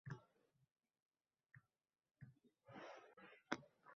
Men uchun ham aziz holingni sursin